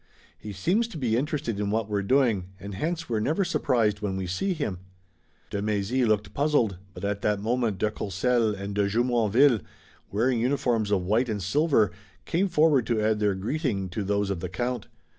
He seems to be interested in what we're doing, and hence we're never surprised when we see him." De Mézy looked puzzled, but at that moment de Courcelles and de Jumonville, wearing uniforms of white and silver, came forward to add their greeting to those of the count.